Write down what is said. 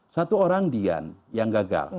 satu orang dian yang gagal